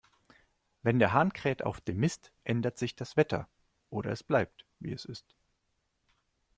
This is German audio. Wenn der Hahn kräht auf dem Mist, ändert sich das Wetter, oder es bleibt, wie es ist.